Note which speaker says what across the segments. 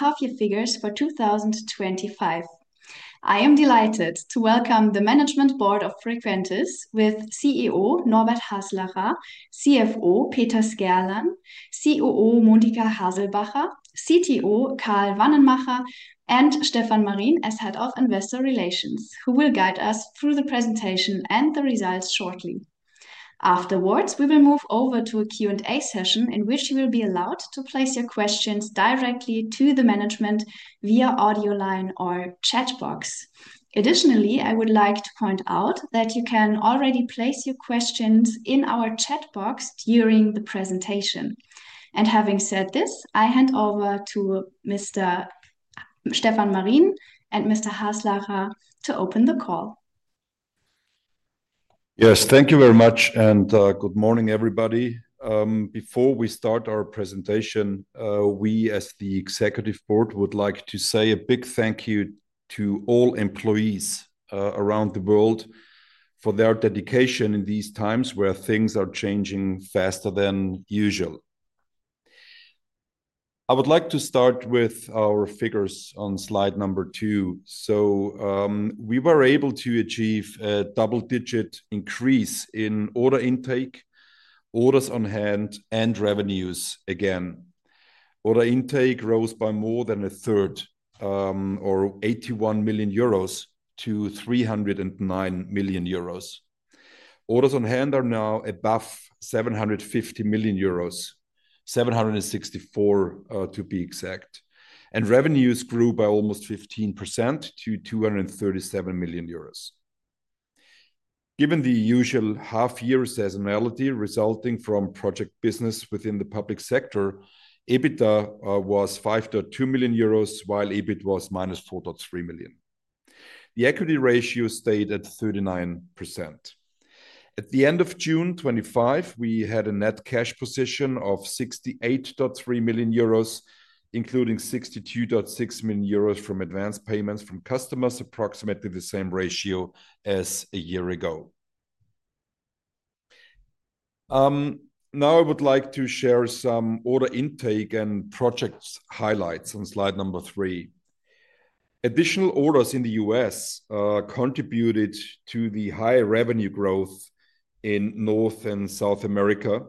Speaker 1: Half year figures for 2025. I am delighted to welcome the Management Board of Frequentis with CEO Norbert Haslacher, CFO Peter Skerlan, COO Monika Haselbacher, CTO Karl Wannenmacher, and Stefan Marin as Head of Investor Relations, who will guide us through the presentation and the results shortly. Afterwards, we will move over to a Q&A session in which you will be allowed to place your questions directly to the management via audio line or chat box. Additionally, I would like to point out that you can already place your questions in our chat box during the presentation. Having said this, I hand over to Mr. Stefan Marin and Mr. Haslacher to open the call.
Speaker 2: Yes, thank you very much, and good morning, everybody. Before we start our presentation, we as the Executive Board would like to say a big thank you to all employees around the world for their dedication in these times where things are changing faster than usual. I would like to start with our figures on slide number two. We were able to achieve a double-digit increase in order intake, orders on hand, and revenues again. Order intake rose by more than 1/3, or €81 million, to €309 million. Orders on hand are now above €750 million, €764 million to be exact. Revenues grew by almost 15% to €237 million. Given the usual half-year seasonality resulting from project business within the public sector, EBITDA was €5.2 million while EBIT was -€4.3 million. The equity ratio stayed at 39%. At the end of June 2025, we had a net cash position of €68.3 million, including €62.6 million from advanced payments from customers, approximately the same ratio as a year ago. Now I would like to share some order intake and project highlights on slide number three. Additional orders in the U.S. contributed to the high revenue growth in North and South America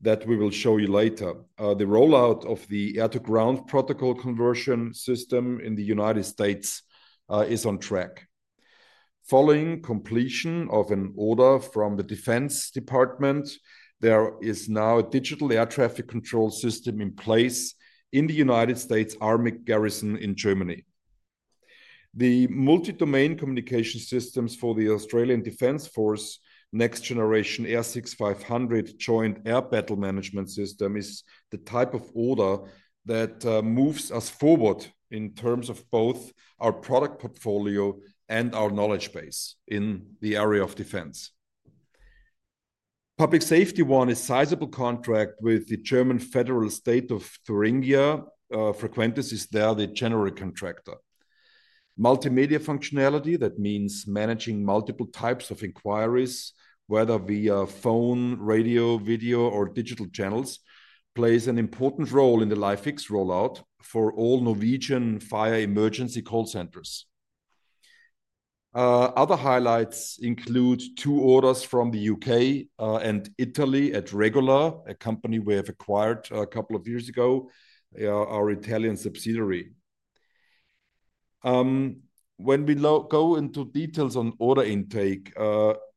Speaker 2: that we will show you later. The rollout of the air-to-ground protocol conversion system in the United States is on track. Following completion of an order from the Defense Department, there is now a digital air traffic control system in place in the United States Army Garrison in Germany. The multi-domain communication systems for the Australian Defence Force Next Generation AIR6500 Joint Air Battle Management System is the type of order that moves us forward in terms of both our product portfolio and our knowledge base in the area of defense. Public safety one is a sizable contract with the German Federal State of Thuringia. Frequentis is there the general contractor. Multimedia functionality, that means managing multiple types of inquiries, whether via phone, radio, video, or digital channels, plays an important role in the LiveFix rollout for all Norwegian fire emergency call centers. Other highlights include two orders from the U.K. and Italy at Regular, a company we have acquired a couple of years ago, our Italian subsidiary. When we go into details on order intake,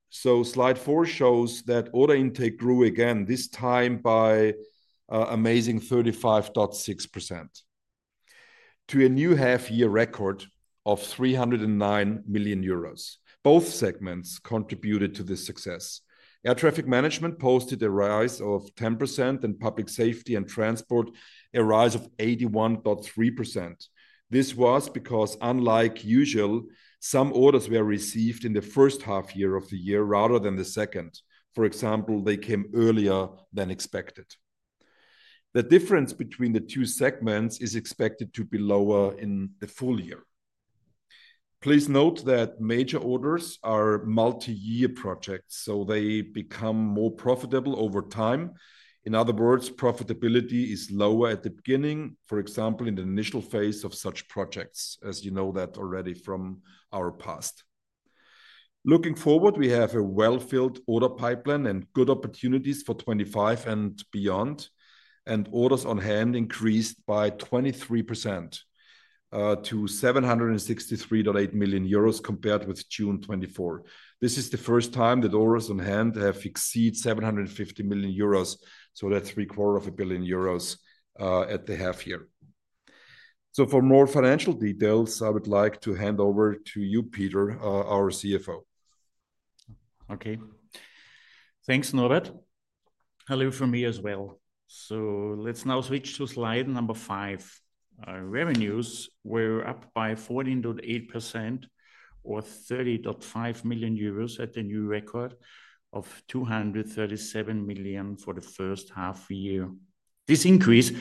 Speaker 2: slide four shows that order intake grew again, this time by an amazing 35.6% to a new half-year record of €309 million. Both segments contributed to this success. Air Traffic Management posted a rise of 10% and Public Safety & Transport a rise of 81.3%. This was because, unlike usual, some orders were received in the first half of the year rather than the second. For example, they came earlier than expected. The difference between the two segments is expected to be lower in the full year. Please note that major orders are multi-year projects, so they become more profitable over time. In other words, profitability is lower at the beginning, for example, in the initial phase of such projects, as you know that already from our past. Looking forward, we have a well-filled order pipeline and good opportunities for 2025 and beyond, and orders on hand increased by 23% to €763.8 million compared with June 2024. This is the first time that orders on hand have exceeded €750 million, so that's three quarters of a billion euros at the half year. For more financial details, I would like to hand over to you, Peter, our CFO.
Speaker 3: Okay. Thanks, Norbert. Hello from me as well. Let's now switch to slide number five. Our revenues were up by 14.8% or €30.5 million at the new record of €237 million for the first half year. This increase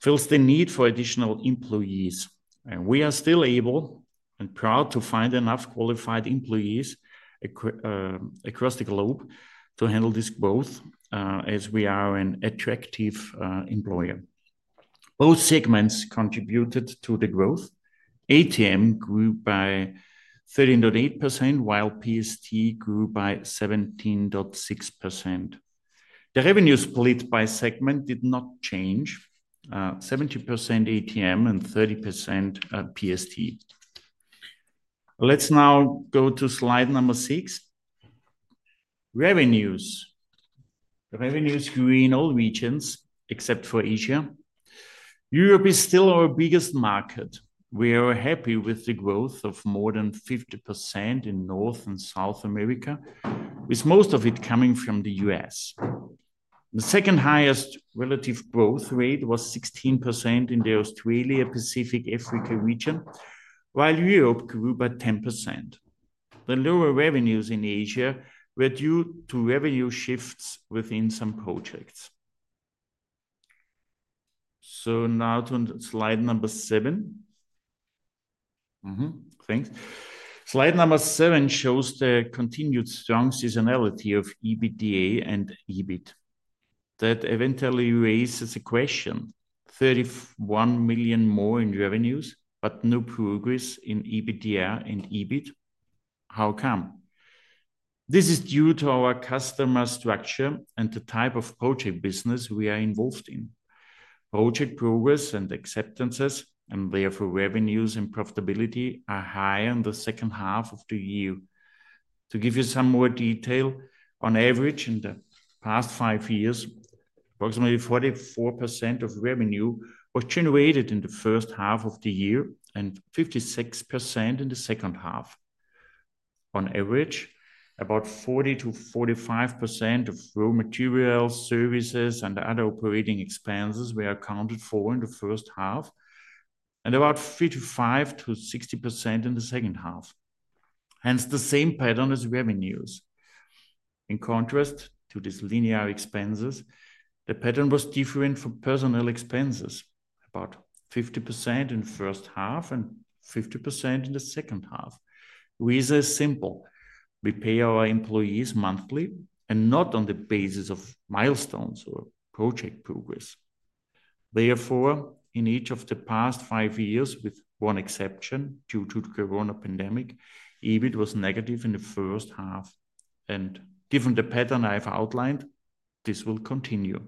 Speaker 3: fills the need for additional employees. We are still able and proud to find enough qualified employees across the globe to handle this growth as we are an attractive employer. Both segments contributed to the growth. ATM grew by 13.8% while PST grew by 17.6%. The revenue split by segment did not change: 70% ATM and 30% PST. Let's now go to slide number six. The revenues grew in all regions except for Asia. Europe is still our biggest market. We are happy with the growth of more than 50% in North and South America, with most of it coming from the U.S. The second highest relative growth rate was 16% in the Australia-Pacific Africa region, while Europe grew by 10%. The lower revenues in Asia were due to revenue shifts within some projects. Now to slide number seven. Slide number seven shows the continued strong seasonality of EBITDA and EBIT. That eventually raises a question: €31 million more in revenues, but no progress in EBITDA and EBIT. How come? This is due to our customer structure and the type of project business we are involved in. Project progress and acceptances, and therefore revenues and profitability, are higher in the second half of the year. To give you some more detail, on average in the past five years, approximately 44% of revenue was generated in the first half of the year and 56% in the second half. On average, about 40%-45% of raw materials, services, and other operating expenses were accounted for in the first half, and about 55%-60% in the second half. Hence, the same pattern as revenues. In contrast to these linear expenses, the pattern was different for personnel expenses, about 50% in the first half and 50% in the second half. Reasons are simple. We pay our employees monthly and not on the basis of milestones or project progress. Therefore, in each of the past five years, with one exception due to the corona pandemic, EBIT was negative in the first half. Given the pattern I've outlined, this will continue.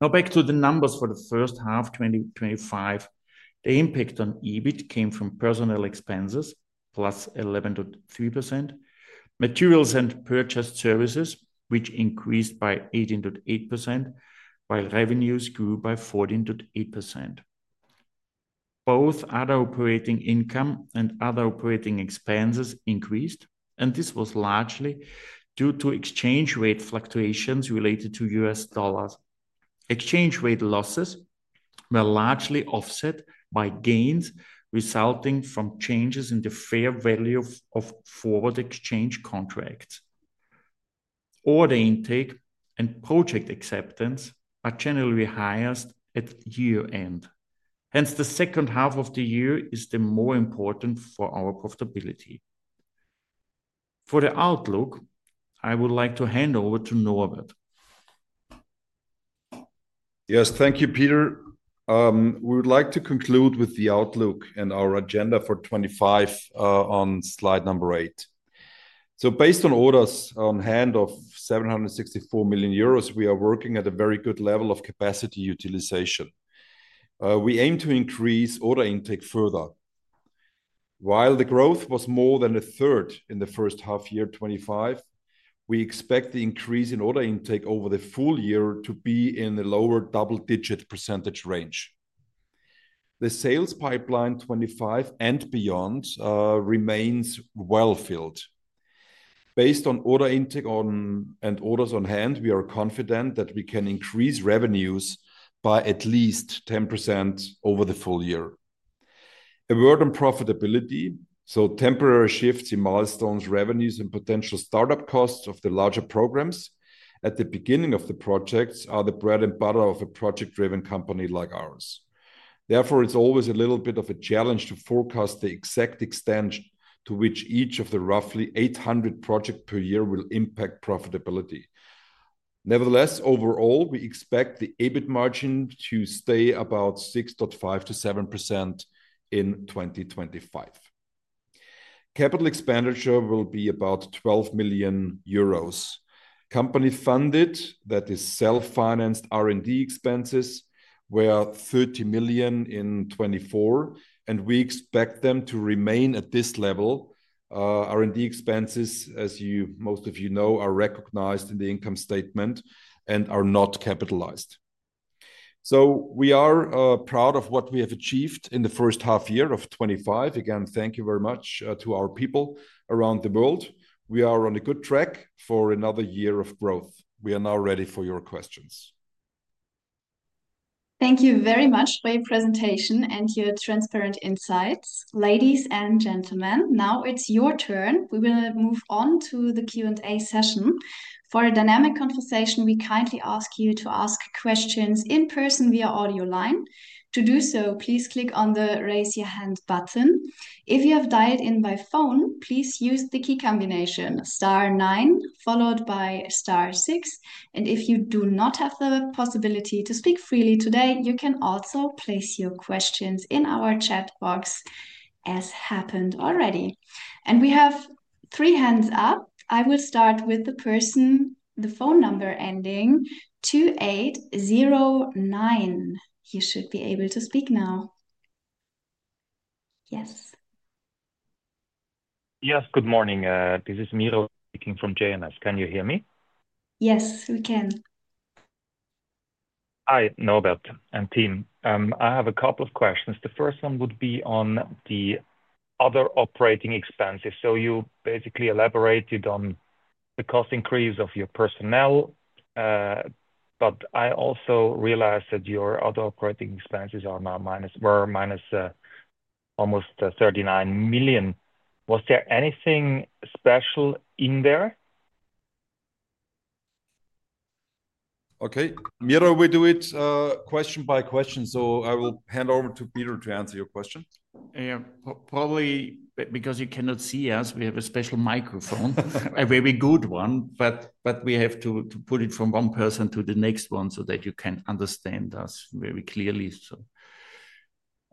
Speaker 3: Now back to the numbers for the first half, 2025. The impact on EBIT came from personnel expenses +11.3%, materials and purchased services, which increased by 18.8%, while revenues grew by 14.8%. Both other operating income and other operating expenses increased, and this was largely due to exchange rate fluctuations related to U.S. dollars. Exchange rate losses were largely offset by gains resulting from changes in the fair value of forward exchange contracts. Order intake and project acceptance are generally highest at year-end. Hence, the second half of the year is the more important for our profitability. For the outlook, I would like to hand over to Norbert.
Speaker 2: Yes, thank you, Peter. We would like to conclude with the outlook and our agenda for 2025 on slide number eight. Based on orders on hand of €764 million, we are working at a very good level of capacity utilization. We aim to increase order intake further. While the growth was more than a third in the first half year 2025, we expect the increase in order intake over the full year to be in the lower double-digit percentage range. The sales pipeline for 2025 and beyond remains well-filled. Based on order intake and orders on hand, we are confident that we can increase revenues by at least 10% over the full year. A word on profitability: temporary shifts in milestones, revenues, and potential startup costs of the larger programs at the beginning of the projects are the bread and butter of a project-driven company like ours. Therefore, it's always a little bit of a challenge to forecast the exact extent to which each of the roughly 800 projects per year will impact profitability. Nevertheless, overall, we expect the EBIT margin to stay about 6.5%-7% in 2025. Capital expenditure will be about €12 million. Company-funded, that is self-financed, R&D expenses were €30 million in 2024, and we expect them to remain at this level. R&D expenses, as most of you know, are recognized in the income statement and are not capitalized. We are proud of what we have achieved in the first half year of 2025. Again, thank you very much to our people around the world. We are on a good track for another year of growth. We are now ready for your questions.
Speaker 1: Thank you very much for your presentation and your transparent insights. Ladies and gentlemen, now it's your turn. We will move on to the Q&A session. For a dynamic conversation, we kindly ask you to ask questions in person via audio line. To do so, please click on the raise your hand button. If you have dialed in by phone, please use the key combination star nine followed by star six. If you do not have the possibility to speak freely today, you can also place your questions in our chat box as happened already. We have three hands up. I will start with the person, the phone number ending 2809. You should be able to speak now. Yes. Yes, good morning. This is Miro speaking from JNS. Can you hear me? Yes, we can. Hi, Norbert and team. I have a couple of questions. The first one would be on the other operating expenses. You basically elaborated on the cost increase of your personnel, but I also realized that your other operating expenses were minus almost €39 million. Was there anything special in there?
Speaker 2: Okay, Miro, we do it question by question. I will hand over to Peter to answer your question.
Speaker 3: Yeah, probably because you cannot see us, we have a special microphone, a very good one, but we have to put it from one person to the next one so that you can understand us very clearly.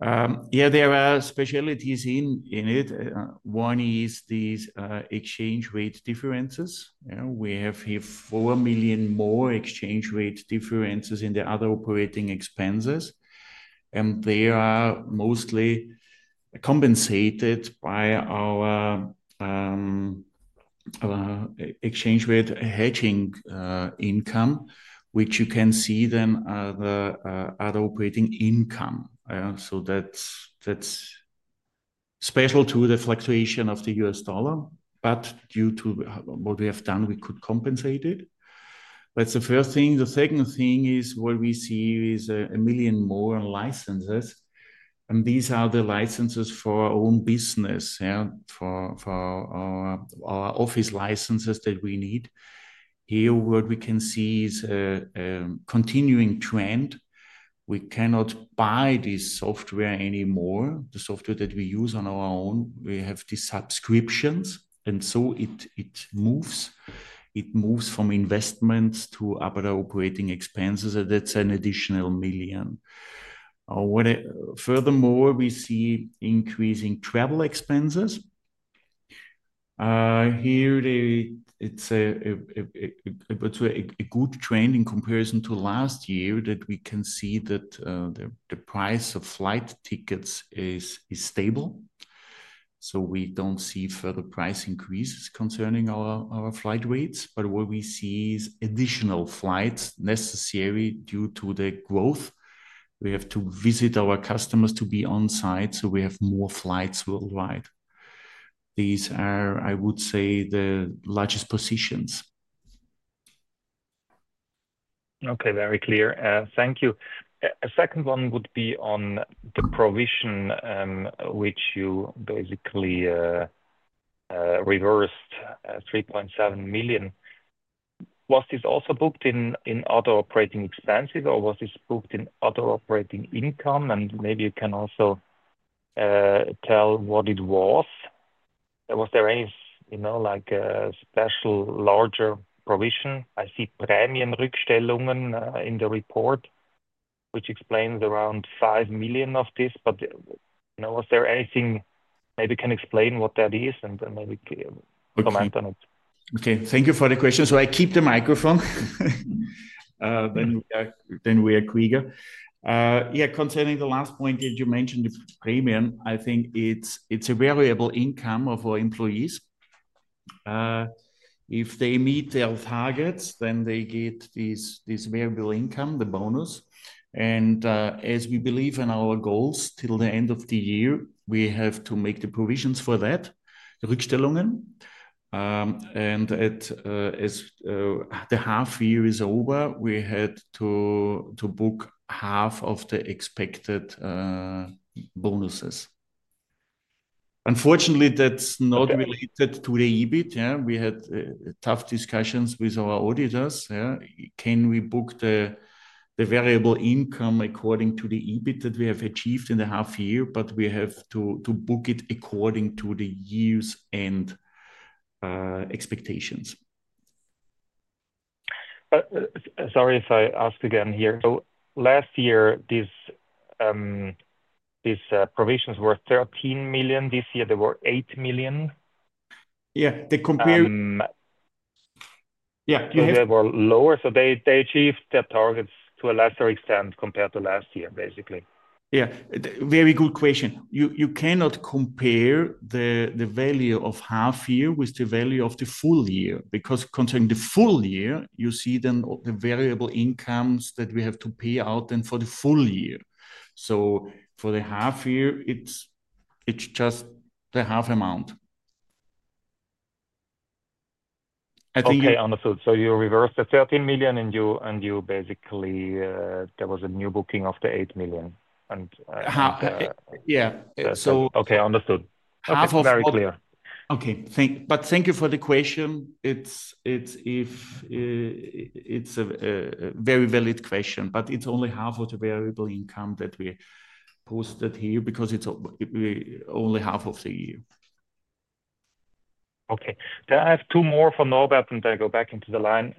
Speaker 3: Yeah, there are specialties in it. One is these exchange rate differences. We have here $4 million more exchange rate differences in the other operating expenses, and they are mostly compensated by our exchange rate hedging income, which you can see then are the other operating income. That's special to the fluctuation of the U.S. dollar, but due to what we have done, we could compensate it. That's the first thing. The second thing is what we see is $1 million more licenses, and these are the licenses for our own business, for our office licenses that we need. Here what we can see is a continuing trend. We cannot buy this software anymore, the software that we use on our own. We have these subscriptions, and so it moves. It moves from investments to other operating expenses, and that's an additional $1 million. Furthermore, we see increasing travel expenses. Here it's a good trend in comparison to last year that we can see that the price of flight tickets is stable. We don't see further price increases concerning our flight rates, but what we see is additional flights necessary due to the growth. We have to visit our customers to be on site, so we have more flights worldwide. These are, I would say, the largest positions. Okay, very clear. Thank you. A second one would be on the provision which you basically reversed $3.7 million. Was this also booked in other operating expenses, or was this booked in other operating income? Maybe you can also tell what it was. Was there any special larger provision? I see premium Rückstellungen in the report, which explains around $5 million of this, but was there anything maybe you can explain what that is and maybe comment on it? Okay, thank you for the question. I keep the microphone. We are quicker. Concerning the last point that you mentioned, this premium, I think it's a variable income of our employees. If they meet their targets, then they get this variable income, the bonus. As we believe in our goals till the end of the year, we have to make the provisions for that Rückstellungen. As the half year is over, we had to book half of the expected bonuses. Unfortunately, that's not related to the EBIT. We had tough discussions with our auditors. Can we book the variable income according to the EBIT that we have achieved in the half year, but we have to book it according to the year's end expectations? Sorry if I ask again here. Last year, these provisions were €13 million. This year, they were €8 million. Yeah, the compare. Do you have a lower? They achieved their targets to a lesser extent compared to last year, basically. Yeah, very good question. You cannot compare the value of half year with the value of the full year because concerning the full year, you see the variable incomes that we have to pay out for the full year. For the half year, it's just the half amount. Okay, understood. You reversed the $13 million and you basically, there was a new booking of the $8 million. Yeah, so. Okay, understood. That's very clear. Thank you for the question. It's a very valid question, but it's only half of the variable income that we posted here because it's only half of the year. Okay, I have two more for Norbert and then go back into the line.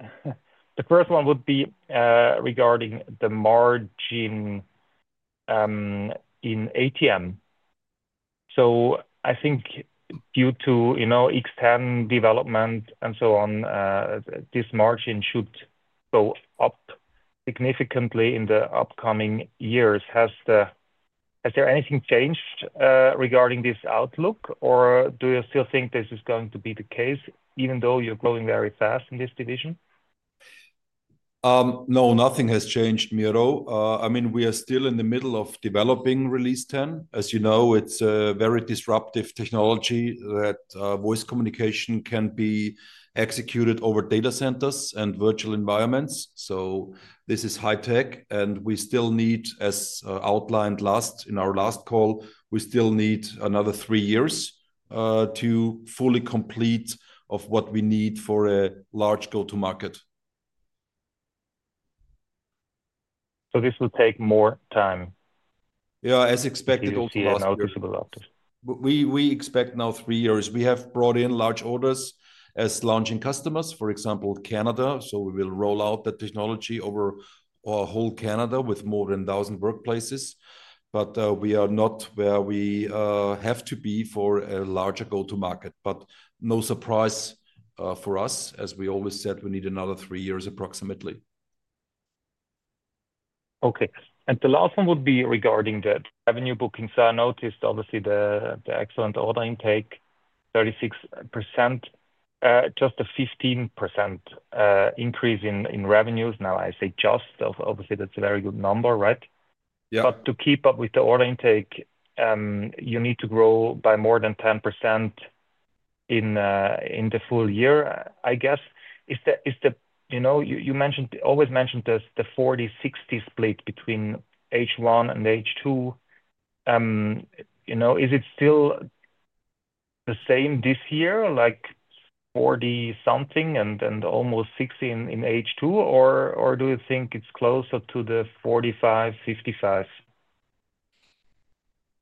Speaker 3: The first one would be regarding the margin in ATM. I think due to Release 10 development and so on, this margin should go up significantly in the upcoming years. Has anything changed regarding this outlook, or do you still think this is going to be the case even though you're growing very fast in this division?
Speaker 2: No, nothing has changed, Miro. I mean, we are still in the middle of developing Release 10. As you know, it's a very disruptive technology that voice communication can be executed over data centers and virtual environments. This is high tech, and we still need, as outlined in our last call, another three years to fully complete what we need for a large go-to-market. This will take more time. Yeah, as expected. To run out. We expect now three years. We have brought in large orders as launching customers, for example, Canada. We will roll out that technology over our whole Canada with more than 1,000 workplaces. We are not where we have to be for a larger go-to-market. No surprise for us, as we always said, we need another three years approximately. Okay. The last one would be regarding the revenue bookings. I noticed obviously the excellent order intake, 36%, just a 15% increase in revenues. Now I say just, obviously that's a very good number, right? Yeah. To keep up with the order intake, you need to grow by more than 10% in the full year, I guess. You mentioned, always mentioned the 40%-60% split between H1 and H2. Is it still the same this year, like 40% something and then almost 60% in H2, or do you think it's closer to the 45%, 55%?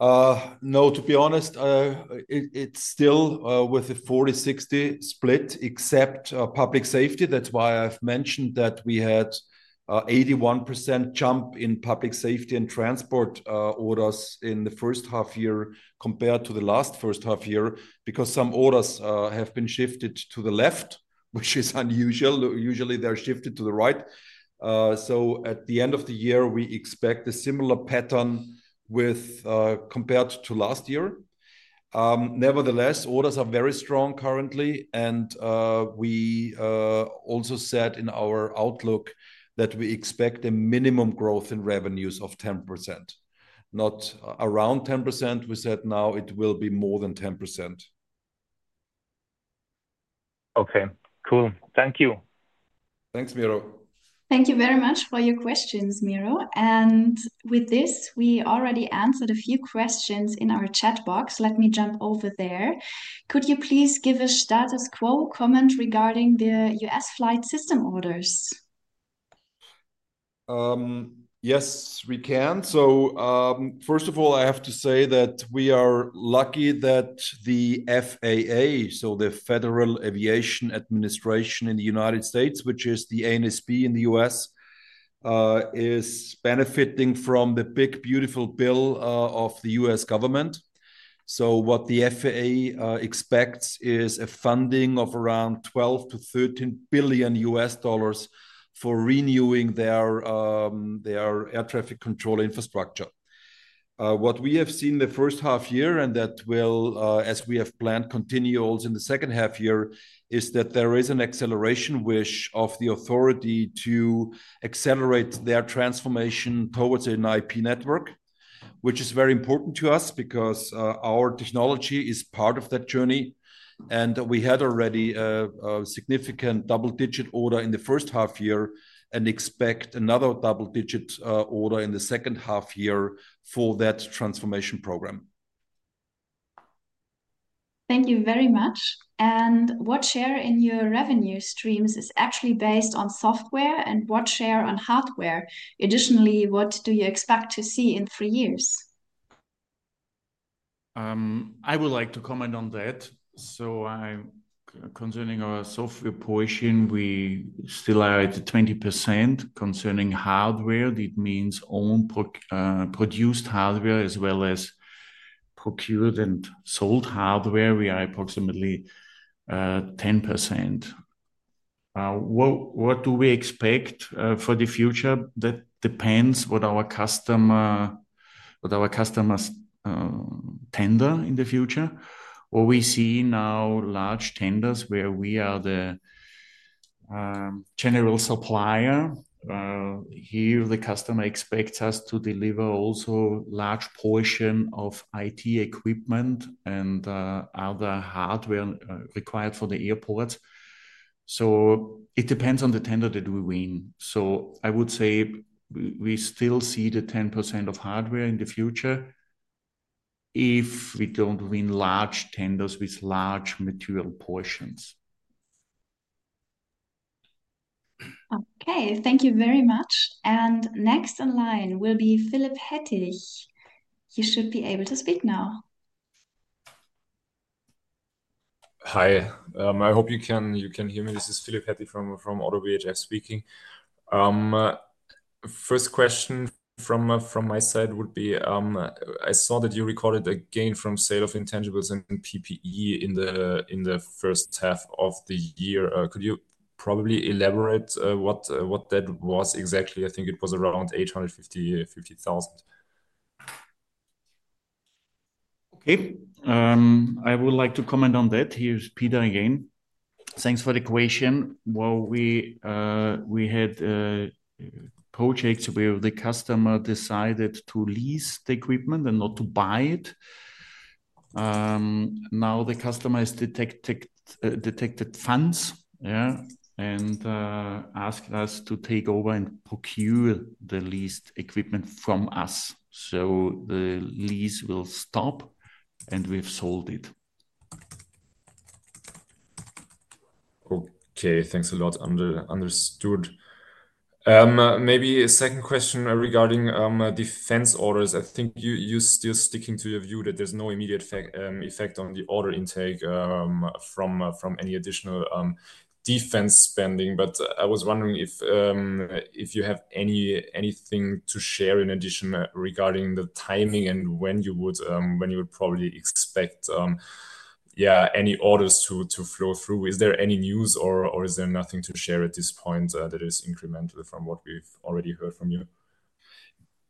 Speaker 2: No, to be honest, it's still with a 40-60 split, except Public Safety. That's why I've mentioned that we had an 81% jump in Public Safety & Transport orders in the first half year compared to the last first half year, because some orders have been shifted to the left, which is unusual. Usually, they're shifted to the right. At the end of the year, we expect a similar pattern compared to last year. Nevertheless, orders are very strong currently, and we also said in our outlook that we expect a minimum growth in revenues of 10%. Not around 10%, we said now it will be more than 10%. Okay, cool. Thank you. Thanks, Miro.
Speaker 1: Thank you very much for your questions, Miro. With this, we already answered a few questions in our chat box. Let me jump over there. Could you please give a status quo comment regarding the U.S. flight system orders?
Speaker 2: Yes, we can. First of all, I have to say that we are lucky that the U.S. Federal Aviation Administration, which is the ANSP in the U.S., is benefiting from the big, beautiful bill of the U.S. government. What the FAA expects is a funding of around $12-$13 billion for renewing their air traffic control infrastructure. What we have seen in the first half year, and that will, as we have planned, continue also in the second half year, is that there is an acceleration wish of the authority to accelerate their transformation towards an IP network, which is very important to us because our technology is part of that journey. We had already a significant double-digit order in the first half year and expect another double-digit order in the second half year for that transformation program.
Speaker 1: Thank you very much. What share in your revenue streams is actually based on software and what share on hardware? Additionally, what do you expect to see in three years?
Speaker 3: I would like to comment on that. Concerning our software portion, we still are at 20%. Concerning hardware, it means owned produced hardware as well as procured and sold hardware. We are approximately 10%. What do we expect for the future? That depends on what our customers tender in the future. What we see now, large tenders where we are the general supplier, the customer expects us to deliver also a large portion of IT equipment and other hardware required for the airports. It depends on the tender that we win. I would say we still see the 10% of hardware in the future if we don't win large tenders with large material portions.
Speaker 1: Okay, thank you very much. Next on line will be Philip Hettich. You should be able to speak now.
Speaker 4: Hi, I hope you can hear me. This is Philip Hettich from AutoVHF speaking. First question from my side would be, I saw that you recorded a gain from sale of intangibles and PPE in the first half of the year. Could you probably elaborate what that was exactly? I think it was around €850,000.
Speaker 3: Okay, I would like to comment on that. Here's Peter again. Thanks for the question. We had a project where the customer decided to lease the equipment and not to buy it. Now the customer has detected funds and asked us to take over and procure the leased equipment from us. The lease will stop and we've sold it.
Speaker 4: Okay, thanks a lot. Understood. Maybe a second question regarding defense orders. I think you're still sticking to your view that there's no immediate effect on the order intake from any additional defense spending. I was wondering if you have anything to share in addition regarding the timing and when you would probably expect, yeah, any orders to flow through. Is there any news or is there nothing to share at this point that is incremental from what we've already heard from you?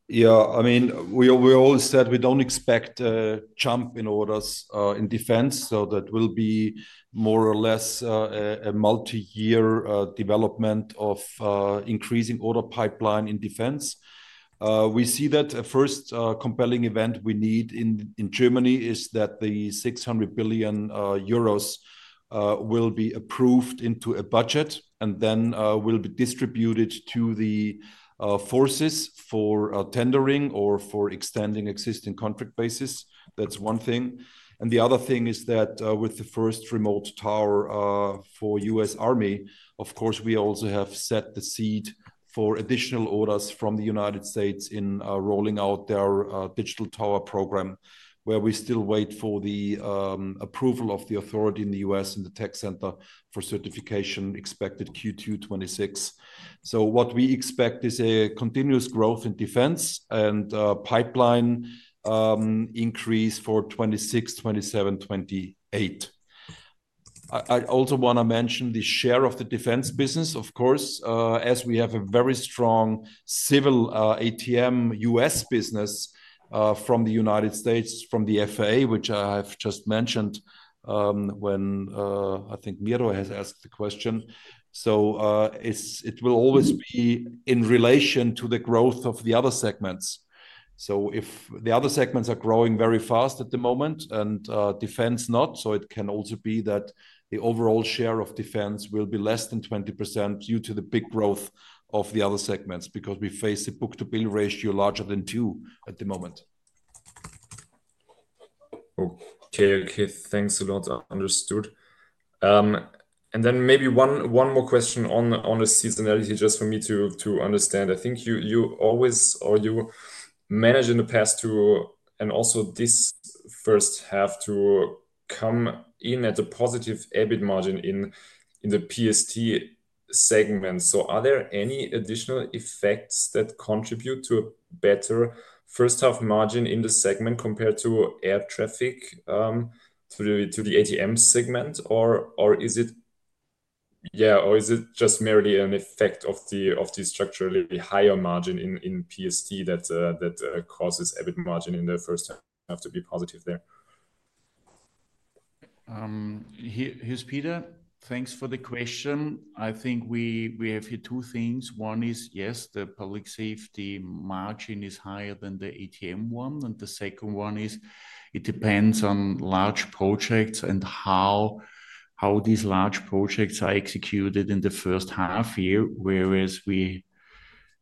Speaker 2: Yeah, I mean, we always said we don't expect a jump in orders in defense, so that will be more or less a multi-year development of increasing order pipeline in defense. We see that the first compelling event we need in Germany is that the €600 billion will be approved into a budget and then will be distributed to the forces for tendering or for extending existing contract bases. That's one thing. The other thing is that with the first remote tower for the U.S. Army, of course, we also have set the seed for additional orders from the U.S. in rolling out their digital tower program, where we still wait for the approval of the authority in the U.S. and the tech center for certification expected Q2 2026. What we expect is a continuous growth in defense and pipeline increase for 2026, 2027, 2028. I also want to mention the share of the defense business, of course, as we have a very strong civil ATM U.S. business from the U.S., from the FAA, which I have just mentioned when I think Miro has asked the question. It will always be in relation to the growth of the other segments. If the other segments are growing very fast at the moment and defense not, it can also be that the overall share of defense will be less than 20% due to the big growth of the other segments because we face a book-to-bill ratio larger than two at the moment.
Speaker 4: Okay, thanks a lot. Understood. Maybe one more question on the seasonality just for me to understand. I think you always, or you managed in the past to, and also this first half to come in at a positive EBIT margin in the Public Safety & Transport segment. Are there any additional effects that contribute to a better first half margin in the segment compared to Air Traffic Management, or is it just merely an effect of the structurally higher margin in Public Safety & Transport that causes EBIT margin in the first half to be positive there?
Speaker 3: Here's Peter. Thanks for the question. I think we have here two things. One is, yes, the Public Safety margin is higher than the ATM one. The second one is, it depends on large projects and how these large projects are executed in the first half year, whereas we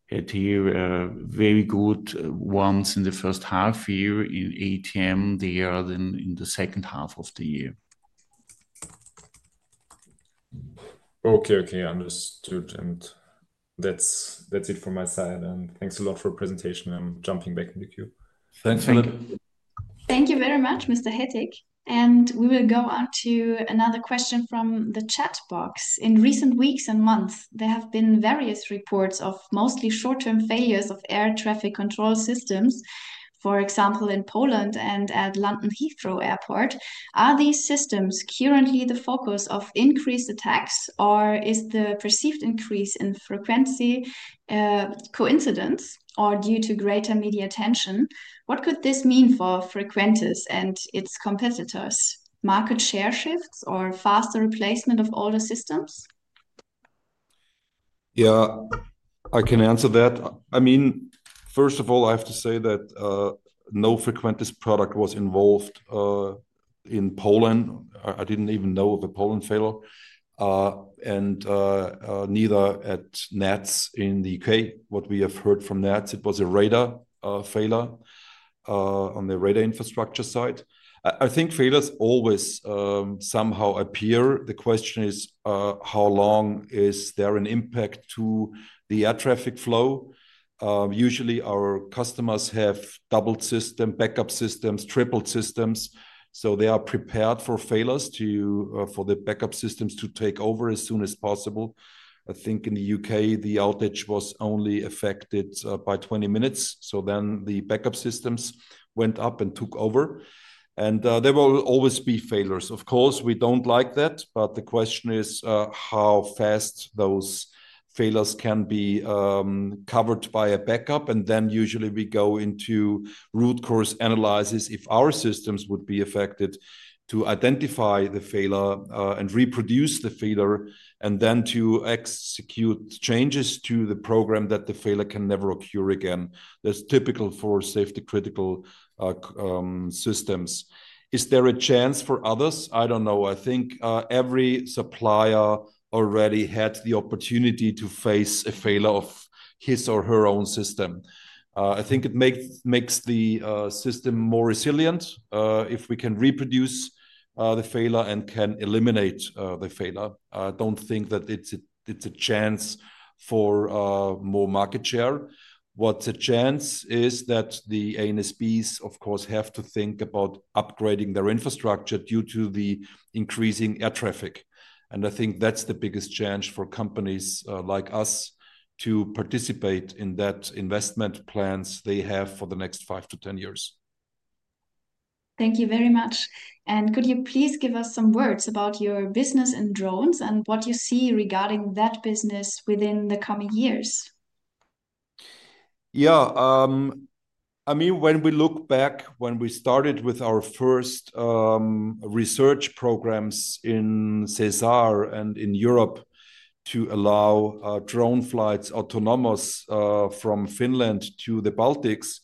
Speaker 3: had here very good ones in the first half year in ATM. They are then in the second half of the year.
Speaker 4: Okay, understood. That's it from my side. Thanks a lot for your presentation. I'm jumping back into the queue.
Speaker 2: Thanks for that.
Speaker 1: Thank you very much, Mr. Hettich. We will go on to another question from the chat box. In recent weeks and months, there have been various reports of mostly short-term failures of air traffic control systems, for example, in Poland and at London Heathrow Airport. Are these systems currently the focus of increased attacks, or is the perceived increase in frequency a coincidence or due to greater media attention? What could this mean for Frequentis and its competitors? Market share shifts or faster replacement of older systems?
Speaker 2: Yeah, I can answer that. First of all, I have to say that no Frequentis product was involved in Poland. I didn't even know of a Poland failure. Neither at NATS in the U.K.. What we have heard from NATS, it was a radar failure on the radar infrastructure side. I think failures always somehow appear. The question is, how long is there an impact to the air traffic flow? Usually, our customers have doubled systems, backup systems, tripled systems. They are prepared for failures for the backup systems to take over as soon as possible. I think in the U.K., the outage was only affected by 20 minutes. The backup systems went up and took over. There will always be failures. Of course, we don't like that, but the question is how fast those failures can be covered by a backup. Usually we go into root cause analysis if our systems would be affected to identify the failure and reproduce the failure and then to execute changes to the program that the failure can never occur again. That's typical for safety-critical systems. Is there a chance for others? I don't know. I think every supplier already had the opportunity to face a failure of his or her own system. I think it makes the system more resilient if we can reproduce the failure and can eliminate the failure. I don't think that it's a chance for more market share. What's a chance is that the ANSBs, of course, have to think about upgrading their infrastructure due to the increasing air traffic. I think that's the biggest chance for companies like us to participate in that investment plans they have for the next 5-10 years.
Speaker 1: Thank you very much. Could you please give us some words about your business in drone-related offerings and what you see regarding that business within the coming years?
Speaker 2: Yeah, I mean, when we look back, when we started with our first research programs in CESAR and in Europe to allow drone flights autonomous from Finland to the Baltics,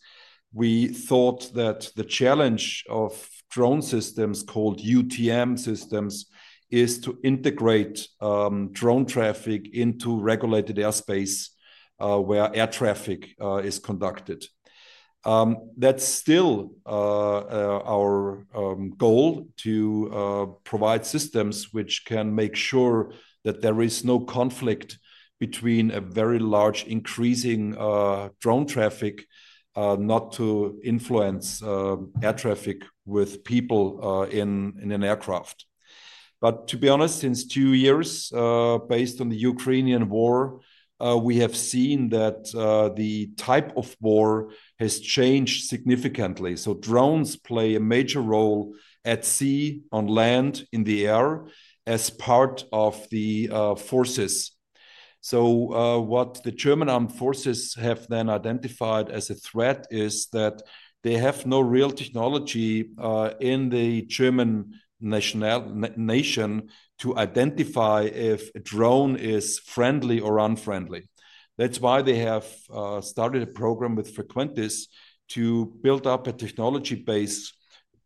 Speaker 2: we thought that the challenge of drone systems called UTM systems is to integrate drone traffic into regulated airspace where air traffic is conducted. That's still our goal to provide systems which can make sure that there is no conflict between a very large increasing drone traffic not to influence air traffic with people in an aircraft. To be honest, since two years, based on the Ukrainian war, we have seen that the type of war has changed significantly. Drones play a major role at sea, on land, in the air as part of the forces. What the German armed forces have then identified as a threat is that they have no real technology in the German nation to identify if a drone is friendly or unfriendly. That's why they have started a program with Frequentis to build up a technology base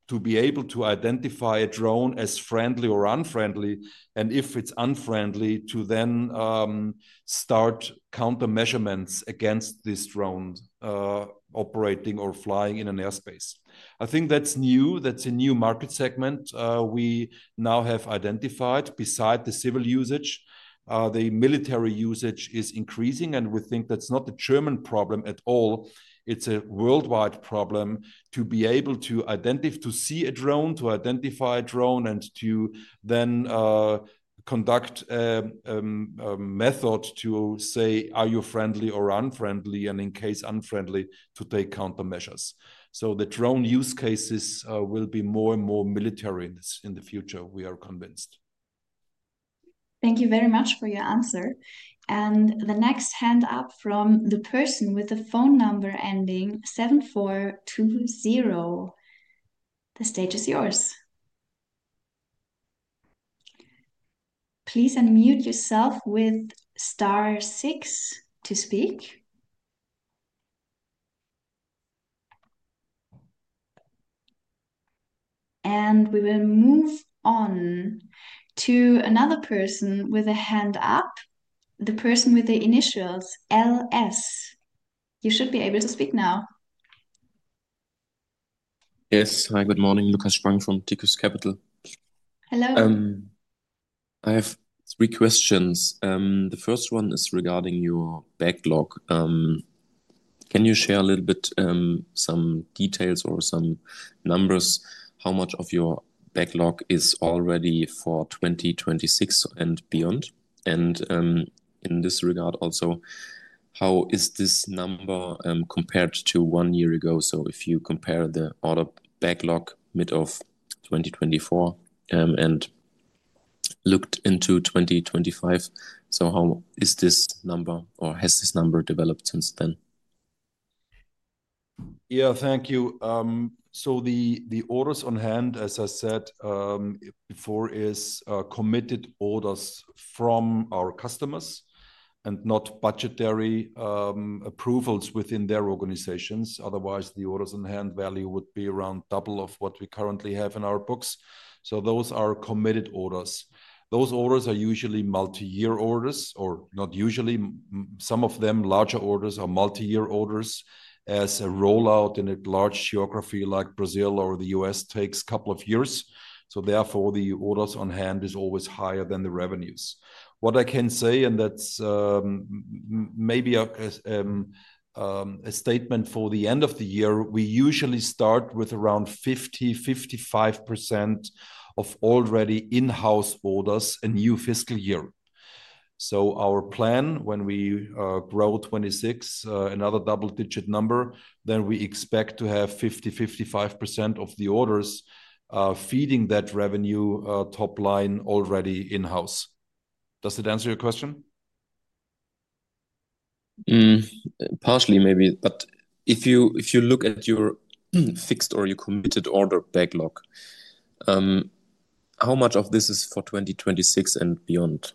Speaker 2: to be able to identify a drone as friendly or unfriendly. If it's unfriendly, to then start countermeasures against this drone operating or flying in an airspace. I think that's new. That's a new market segment we now have identified. Besides the civil usage, the military usage is increasing, and we think that's not a German problem at all. It's a worldwide problem to be able to see a drone, to identify a drone, and to then conduct a method to say, are you friendly or unfriendly? In case unfriendly, to take countermeasures. The drone use cases will be more and more military in the future, we are convinced.
Speaker 1: Thank you very much for your answer. The next hand up from the person with the phone number ending 7420. The stage is yours. Please unmute yourself with star six to speak. We will move on to another person with a hand up, the person with the initials LS. You should be able to speak now.
Speaker 5: Yes, hi, good morning. Lukas Schwank from Tickus Capital.
Speaker 1: Hello.
Speaker 5: I have three questions. The first one is regarding your backlog. Can you share a little bit some details or some numbers? How much of your backlog is already for 2026 and beyond? In this regard also, how is this number compared to one year ago? If you compare the order backlog mid of 2024 and looked into 2025, how is this number or has this number developed since then?
Speaker 2: Yeah, thank you. The orders on hand, as I said before, are committed orders from our customers and not budgetary approvals within their organizations. Otherwise, the orders on hand value would be around double of what we currently have in our books. Those are committed orders. Those orders are usually multi-year orders, or not usually. Some of the larger orders are multi-year orders as a rollout in a large geography like Brazil or the U.S. takes a couple of years. Therefore, the orders on hand are always higher than the revenues. What I can say, and that's maybe a statement for the end of the year, we usually start with around 50%-55% of already in-house orders in the new fiscal year. Our plan when we grow 2026, another double-digit number, then we expect to have 50%-55% of the orders feeding that revenue top line already in-house. Does it answer your question?
Speaker 5: Partially maybe, but if you look at your fixed or your committed order backlog, how much of this is for 2026 and beyond?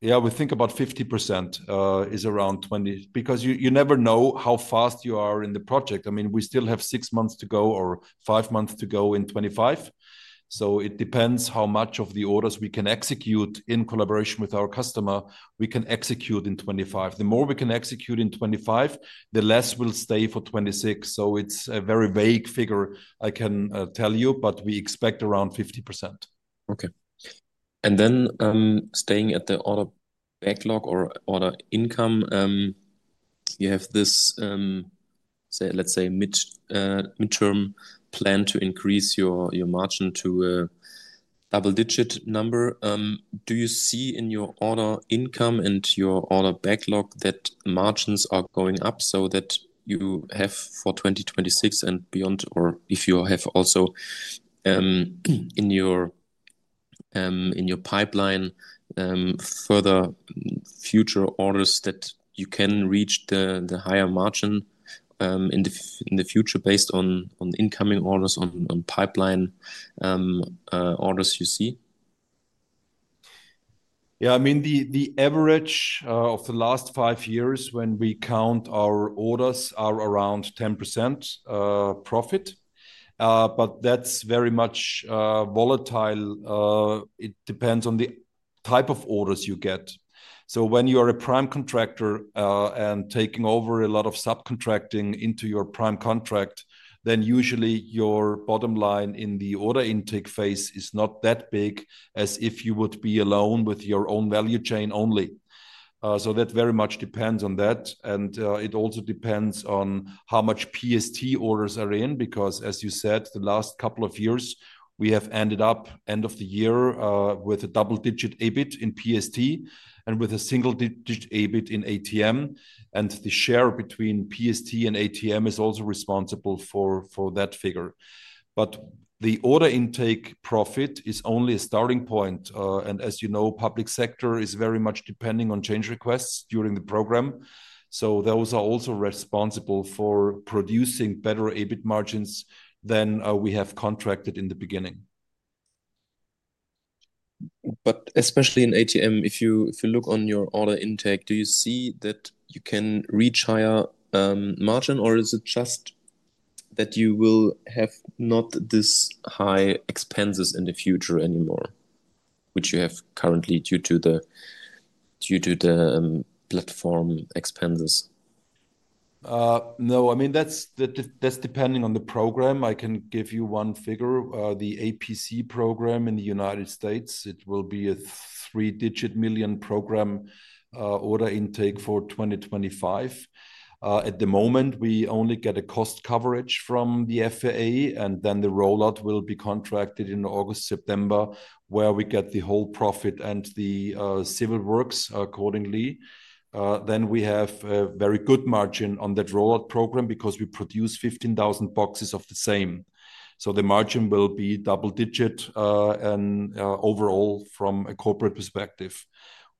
Speaker 2: Yeah, we think about 50% is around 20 because you never know how fast you are in the project. I mean, we still have six months to go or five months to go in 2025. It depends how much of the orders we can execute in collaboration with our customer, we can execute in 2025. The more we can execute in 2025, the less will stay for 2026. It's a very vague figure I can tell you, but we expect around 50%.
Speaker 5: Okay. Staying at the order backlog or order intake, you have this, let's say, midterm plan to increase your margin to a double-digit number. Do you see in your order intake and your order backlog that margins are going up so that you have for 2026 and beyond, or if you have also in your pipeline further future orders that you can reach the higher margin in the future based on incoming orders, on pipeline orders you see?
Speaker 2: Yeah, I mean, the average of the last five years when we count our orders are around 10% profit, but that's very much volatile. It depends on the type of orders you get. When you're a prime contractor and taking over a lot of subcontracting into your prime contract, then usually your bottom line in the order intake phase is not that big as if you would be alone with your own value chain only. That very much depends on that. It also depends on how much PST orders are in because, as you said, the last couple of years, we have ended up end of the year with a double-digit EBIT in PST and with a single-digit EBIT in ATM. The share between PST and ATM is also responsible for that figure. The order intake profit is only a starting point. As you know, public sector is very much depending on change requests during the program. Those are also responsible for producing better EBIT margins than we have contracted in the beginning.
Speaker 5: Especially in ATM, if you look on your order intake, do you see that you can reach higher margin, or is it just that you will not have this high expenses in the future anymore, which you have currently due to the platform expenses?
Speaker 2: No, I mean, that's depending on the program. I can give you one figure. The APC program in the U.S., it will be a three-digit million program order intake for 2025. At the moment, we only get a cost coverage from the U.S. Federal Aviation Administration, and the rollout will be contracted in August, September, where we get the whole profit and the civil works accordingly. We have a very good margin on that rollout program because we produce 15,000 boxes of the same. The margin will be double-digit and overall from a corporate perspective.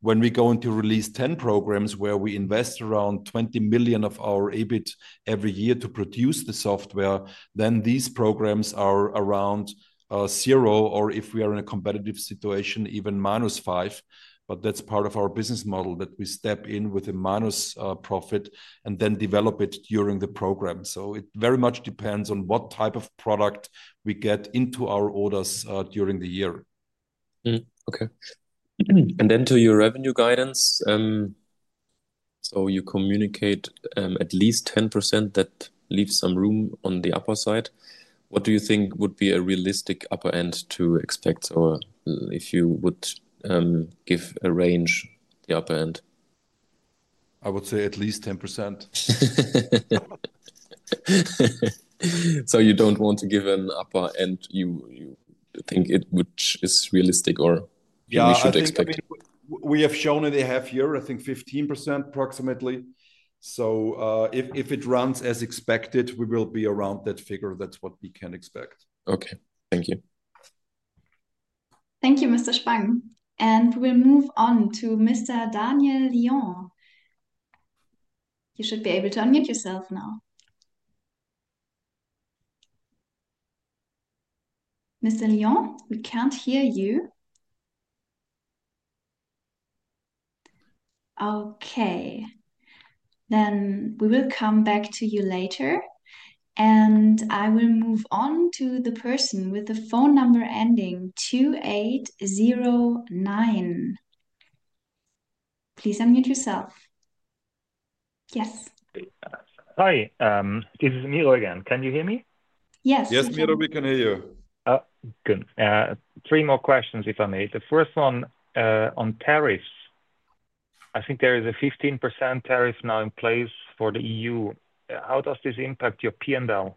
Speaker 2: When we go into Release 10 programs where we invest around $20 million of our EBIT every year to produce the software, these programs are around zero, or if we are in a competitive situation, even -5%. That's part of our business model that we step in with a minus profit and then develop it during the program. It very much depends on what type of product we get into our orders during the year.
Speaker 5: Okay. To your revenue guidance, you communicate at least 10% that leaves some room on the upper side. What do you think would be a realistic upper end to expect? If you would give a range, the upper end?
Speaker 2: I would say at least 10%.
Speaker 5: You don't want to give an upper end. You think it is realistic or we should expect.
Speaker 2: We have shown in a half year, I think 15% approximately. If it runs as expected, we will be around that figure. That's what we can expect.
Speaker 5: Okay, thank you.
Speaker 1: Thank you, Mr. Schwank. We will move on to Mr. Daniel Lyon. You should be able to unmute yourself now. Mr. Lyon, we can't hear you. We will come back to you later. I will move on to the person with the phone number ending 2809. Please unmute yourself. Yes. Sorry, this is Miro again. Can you hear me? Yes.
Speaker 2: Yes, Miro, we can hear you. Good. Three more questions if I may. The first one on tariffs. I think there is a 15% tariff now in place for the EU. How does this impact your P&L?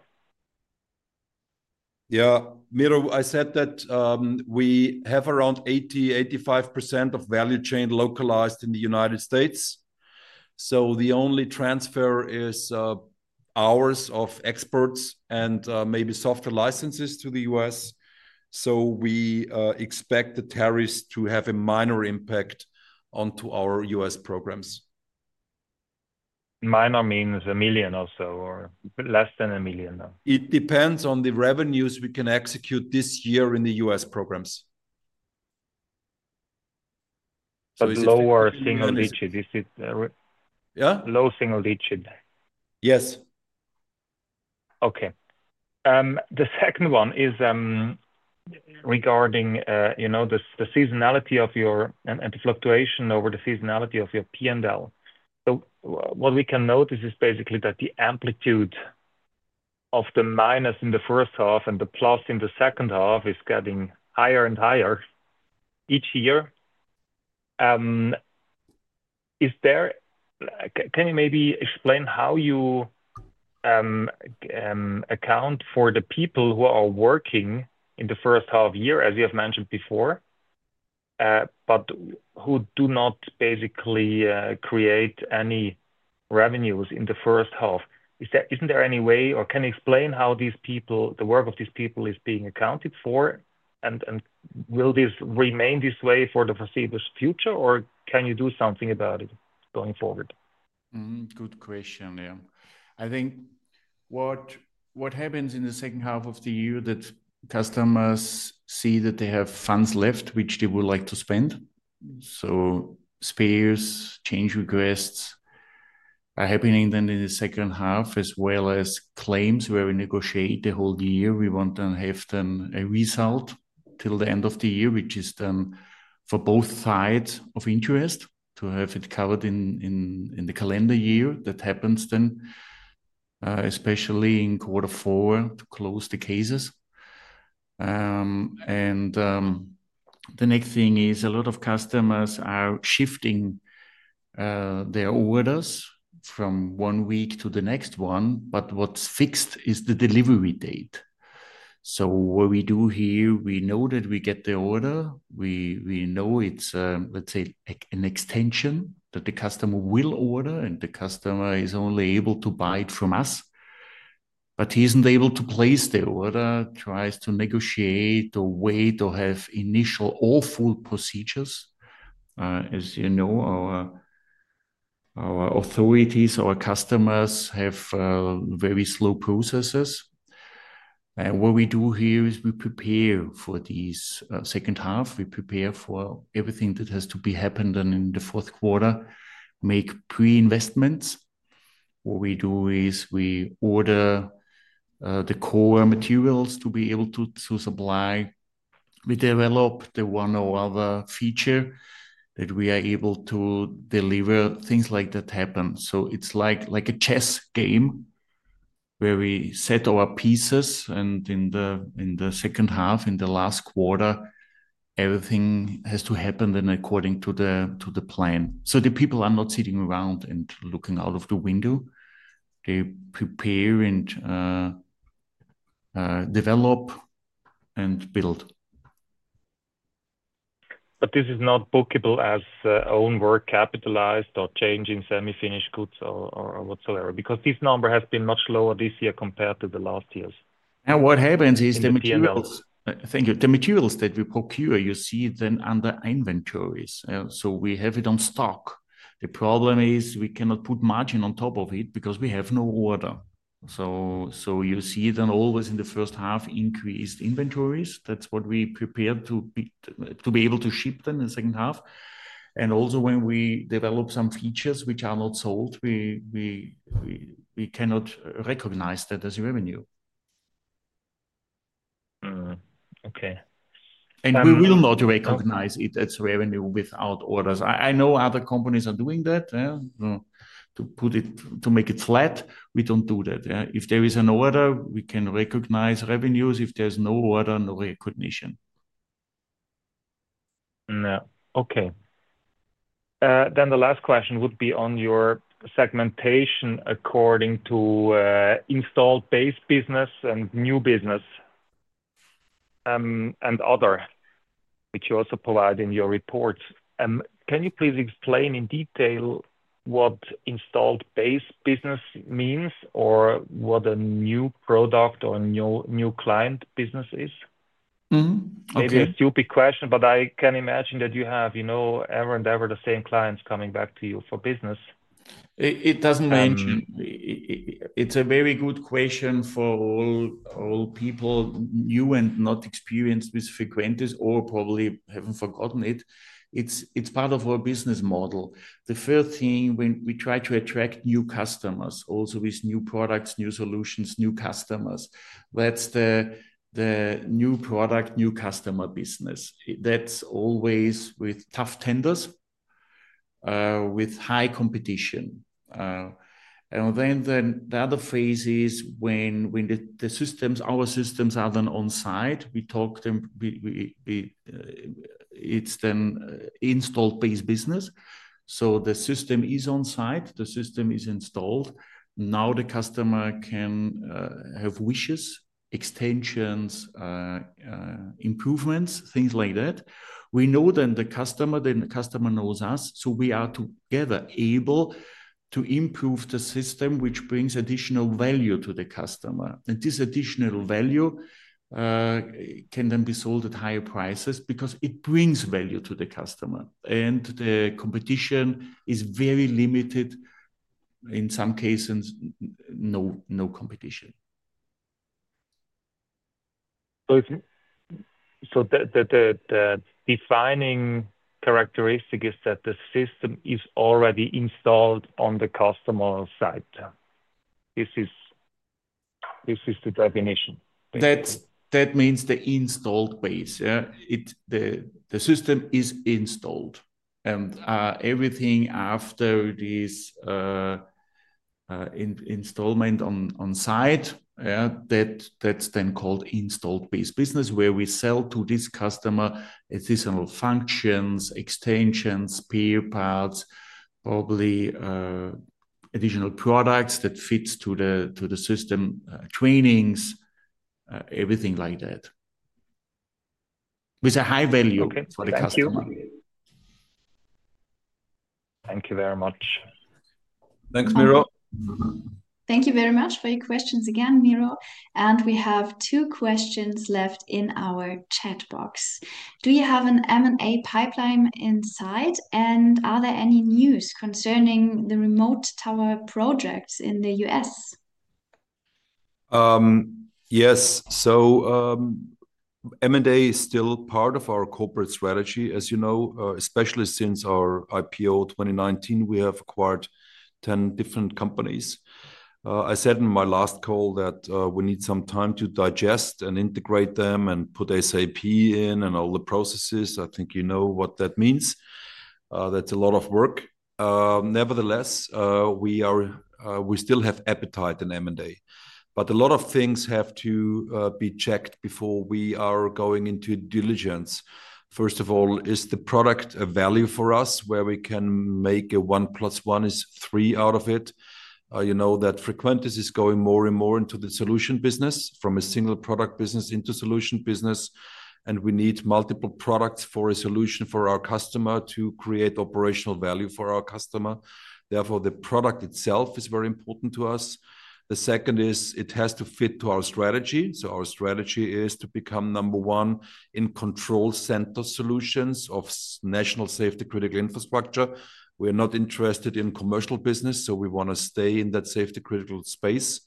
Speaker 2: Yeah, Miro, I said that we have around 80%-85% of value chain localized in the U.S. The only transfer is hours of exports and maybe software licenses to the U.S. We expect the tariffs to have a minor impact onto our U.S. programs. Minor means a million or so, or less than a million, though. It depends on the revenues we can execute this year in the U.S. programs. The lower single digit, is it? Yeah. Low single digit? Yes. Okay. The second one is regarding the seasonality of your P&L and the fluctuation over the seasonality of your P&L. What we can notice is basically that the amplitude of the minus in the first half and the plus in the second half is getting higher and higher each year. Can you maybe explain how you account for the people who are working in the first half year, as you have mentioned before, but who do not basically create any revenues in the first half? Isn't there any way, or can you explain how these people, the work of these people is being accounted for? Will this remain this way for the foreseeable future, or can you do something about it going forward?
Speaker 3: Good question, yeah. I think what happens in the second half of the year is that customers see that they have funds left, which they would like to spend. Spares and change requests are happening then in the second half, as well as claims where we negotiate the whole year. We want to have a result till the end of the year, which is then for both sides of interest to have it covered in the calendar year. That happens especially in quarter four to close the cases. The next thing is a lot of customers are shifting their orders from one week to the next one, but what's fixed is the delivery date. What we do here, we know that we get the order. We know it's, let's say, an extension that the customer will order, and the customer is only able to buy it from us. He isn't able to place the order, tries to negotiate or wait or have initial offer procedures. As you know, our authorities, our customers, have very slow processes. What we do here is we prepare for this second half. We prepare for everything that has to happen in the fourth quarter, make pre-investments. What we do is we order the core materials to be able to supply. We develop the one or other feature that we are able to deliver. Things like that happen. It's like a chess game where we set our pieces, and in the second half, in the last quarter, everything has to happen according to the plan. The people are not sitting around and looking out of the window. They prepare and develop and build. This is not bookable as own work capitalized or change in semi-finished goods or whatsoever, because this number has been much lower this year compared to the last years. Now what happens is the materials. Thank you. The materials that we procure, you see it then under inventories. We have it on stock. The problem is we cannot put margin on top of it because we have no order. You see it then always in the first half increased inventories. That is what we prepare to be able to ship in the second half. Also, when we develop some features which are not sold, we cannot recognize that as revenue. Okay. We will not recognize it as revenue without orders. I know other companies are doing that. To put it flat, we don't do that. If there is an order, we can recognize revenues. If there's no order, no recognition. Okay. The last question would be on your segmentation according to installed base business and new business and other, which you also provide in your reports. Can you please explain in detail what installed base business means or what a new product or a new client business is? Maybe a stupid question, but I can imagine that you have, you know, ever and ever the same clients coming back to you for business. It doesn't match. It's a very good question for all people new and not experienced with Frequentis or probably haven't forgotten it. It's part of our business model. The first thing when we try to attract new customers, also with new products, new solutions, new customers, that's the new product, new customer business. That's always with tough tenders, with high competition. The other phase is when the systems, our systems are then on site. We talk them, it's then installed base business. The system is on site, the system is installed. Now the customer can have wishes, extensions, improvements, things like that. We know then the customer, then the customer knows us. We are together able to improve the system, which brings additional value to the customer. This additional value can then be sold at higher prices because it brings value to the customer. The competition is very limited. In some cases, no competition. Okay. The defining characteristic is that the system is already installed on the customer side. This is the definition. That means the installed base. The system is installed, and everything after this installment on site, that's then called installed base business, where we sell to this customer additional functions, extensions, spare parts, probably additional products that fit to the system, trainings, everything like that, with a high value for the customer. Thank you very much.
Speaker 2: Thanks, Miro.
Speaker 1: Thank you very much for your questions again, Miro. We have two questions left in our chat box. Do you have an M&A pipeline in sight, and are there any news concerning the remote tower projects in the U.S.?
Speaker 2: Yes. M&A is still part of our corporate strategy, as you know, especially since our IPO in 2019, we have acquired 10 different companies. I said in my last call that we need some time to digest and integrate them and put SAP in and all the processes. I think you know what that means. That's a lot of work. Nevertheless, we still have appetite in M&A. A lot of things have to be checked before we are going into diligence. First of all, is the product a value for us where we can make a one plus one is three out of it? You know that Frequentis is going more and more into the solution business, from a single product business into solution business. We need multiple products for a solution for our customer to create operational value for our customer. Therefore, the product itself is very important to us. The second is it has to fit to our strategy. Our strategy is to become number one in control center solutions of national safety-critical infrastructure. We are not interested in commercial business, we want to stay in that safety-critical space.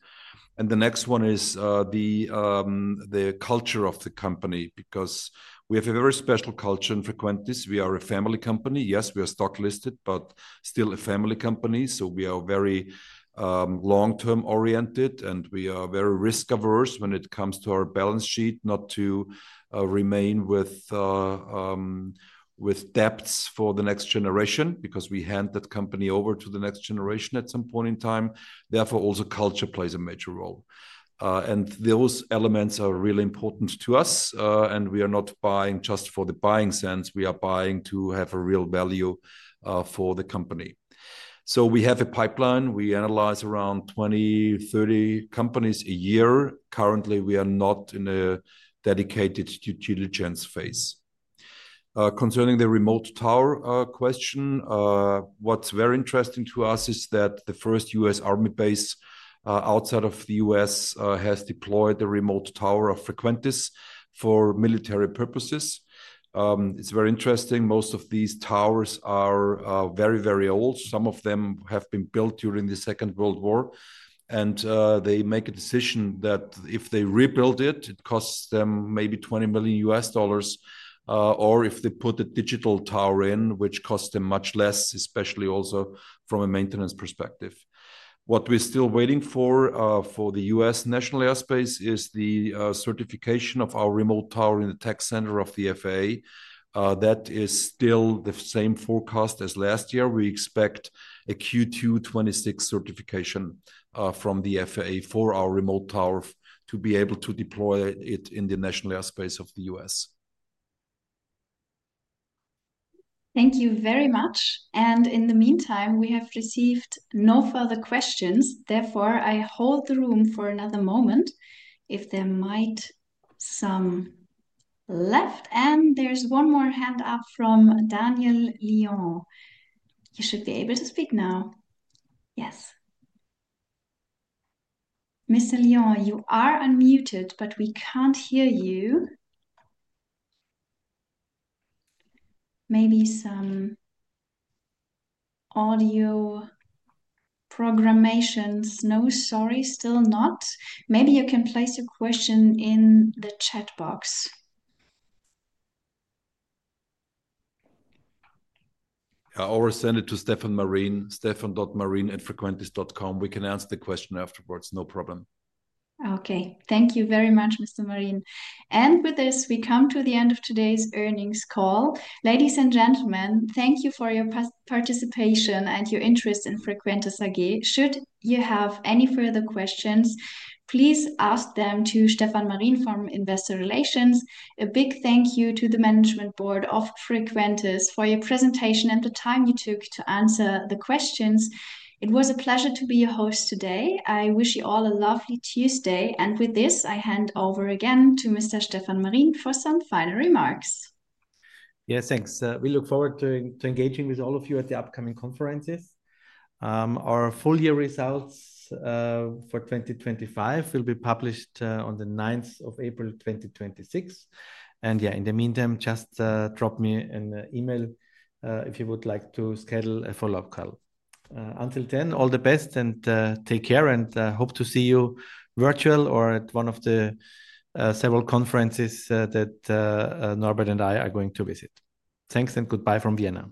Speaker 2: The next one is the culture of the company because we have a very special culture in Frequentis. We are a family company. Yes, we are stock listed, but still a family company. We are very long-term oriented, and we are very risk averse when it comes to our balance sheet not to remain with debts for the next generation because we hand that company over to the next generation at some point in time. Therefore, also culture plays a major role. Those elements are really important to us, and we are not buying just for the buying sense. We are buying to have a real value for the company. We have a pipeline. We analyze around 20, 30 companies a year. Currently, we are not in a dedicated due diligence phase. Concerning the remote tower question, what's very interesting to us is that the first U.S. Army base outside of the U.S. has deployed the remote tower of Frequentis for military purposes. It's very interesting. Most of these towers are very, very old. Some of them have been built during the Second World War, and they make a decision that if they rebuild it, it costs them maybe $20 million, or if they put a digital tower in, which costs them much less, especially also from a maintenance perspective. What we're still waiting for for the U.S. National Airspace is the certification of our remote tower in the tech center of the FAA. That is still the same forecast as last year. We expect a Q2 2026 certification from the FAA for our remote tower to be able to deploy it in the National Airspace of the U.S.
Speaker 1: Thank you very much. In the meantime, we have received no further questions. Therefore, I hold the room for another moment if there might be some left. There's one more hand up from Daniel Lyon. You should be able to speak now. Yes. Mr. Lyon, you are unmuted, but we can't hear you. Maybe some audio programmations. No, sorry, still not. Maybe you can place your question in the chat box.
Speaker 2: Yeah, or send it to Stefan Marin, stefan.marin@frequentis.com. We can answer the question afterwards. No problem.
Speaker 1: Okay. Thank you very much, Mr. Marin. With this, we come to the end of today's earnings call. Ladies and gentlemen, thank you for your participation and your interest in Frequentis AG. Should you have any further questions, please ask them to Stefan Marin from Investor Relations. A big thank you to the Management Board of Frequentis for your presentation and the time you took to answer the questions. It was a pleasure to be your host today. I wish you all a lovely Tuesday. With this, I hand over again to Mr. Stefan Marin for some final remarks.
Speaker 6: Thank you. We look forward to engaging with all of you at the upcoming conferences. Our full year results for 2025 will be published on April 9, 2026. In the meantime, just drop me an email if you would like to schedule a follow-up call. Until then, all the best and take care, and I hope to see you virtual or at one of the several conferences that Norbert and I are going to visit. Thank you and goodbye from Vienna.